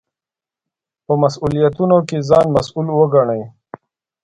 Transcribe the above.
په مسوولیتونو کې ځان مسوول وګڼئ.